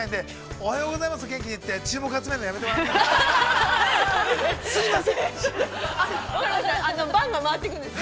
おはようございます、元気に言って、注目集めるのは、やめてもらっていいですか。